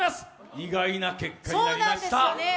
意外な結果になりました。